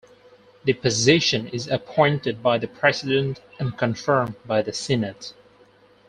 The position is appointed by the president and confirmed by the Senate.